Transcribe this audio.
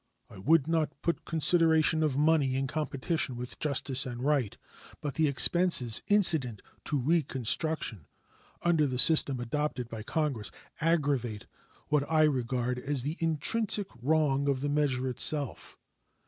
I would not put considerations of money in competition with justice and right; but the expenses incident to "reconstruction" under the system adopted by Congress aggravate what I regard as the intrinsic wrong of the measure itself.